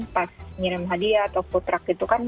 pas ngirim hadiah atau food truck gitu kan